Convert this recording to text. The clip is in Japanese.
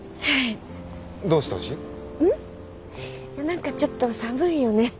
何かちょっと寒いよね。